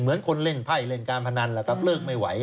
เหมือนคนเล่นไพ่เล่นการพนันแหละครับเลิกไม่ไหว